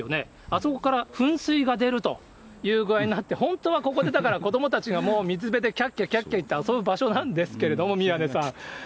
あそこから噴水が出るという具合になって、本当はここでだから、子どもたちがもう、水辺できゃっきゃきゃっきゃ言って遊ぶ場所なんですけれども、宮根さん。